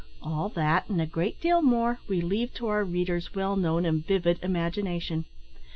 All that, and a great deal more, we leave to our reader's well known and vivid imagination.